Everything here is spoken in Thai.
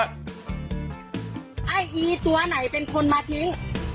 ไอ้อีตัวไหนเป็นคนมาทิ้ง